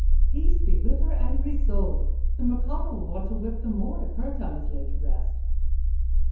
"Peace be with her angry soul! The Mercato will want a whip the more if her tongue is laid to rest."